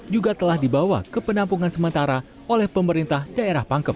juga telah dibawa ke penampungan sementara oleh pemerintah daerah pangkep